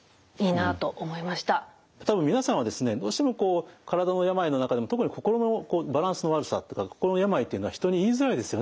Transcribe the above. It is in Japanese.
多分皆さんはですねどうしても体の病の中でも特に心のバランスの悪さっていうか心の病っていうのは人に言いづらいですよね。